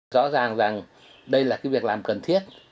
rõ ràng rằng đây là cái việc làm cần thiết